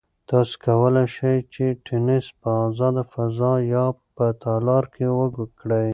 تاسو کولای شئ چې تېنس په ازاده فضا یا په تالار کې وکړئ.